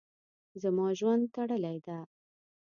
زما ژوند تړلی ده.